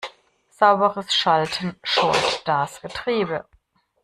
Sauberes Schalten schont das Getriebe.